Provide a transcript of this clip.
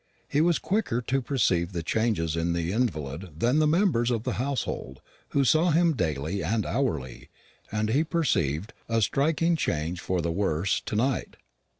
He was quicker to perceive the changes in the invalid than the members of the household, who saw him daily and hourly, and he perceived a striking change for the worse to night.